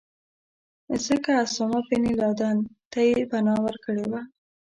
ځکه اسامه بن لادن ته یې پناه ورکړې وه.